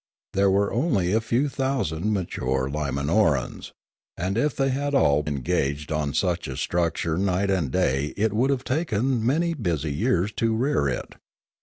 There were only a few thousand mature Limanorans; and if they had been all engaged on such a structure night and day it would have taken many busy years to rear it.